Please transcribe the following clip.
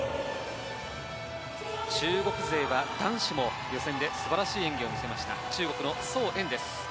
中国勢は男子も予選で素晴らしい演技を見せました、中国のソウ・エンです。